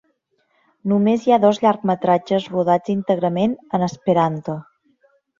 Només hi ha dos llargmetratges rodats íntegrament en esperanto.